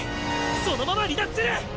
そのまま離脱する！